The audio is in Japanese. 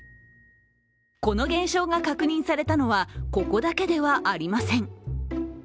この現象が確認されたのはここだけではありません。